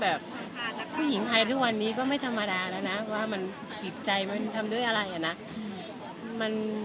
ผู้หญิงไทยทุกวันนี้ก็ไม่ธรรมดาแล้วนะว่ามันจิตใจมันทำด้วยอะไรอ่ะนะ